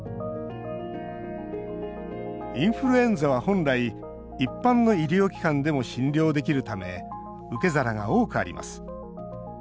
インフルエンザは本来、一般の医療機関でも診療できるため受け皿が多くあります。